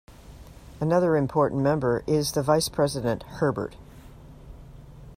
Another important member is the vice president "Herbert".